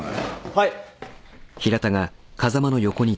はい。